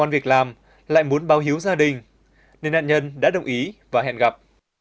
việt nam lại muốn bao hiếu gia đình nên nạn nhân đã đồng ý và hẹn gặp